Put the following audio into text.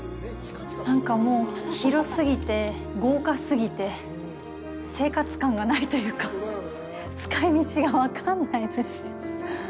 なんか、もう広すぎて、豪華すぎて生活感がないというか使い道が分かんないです。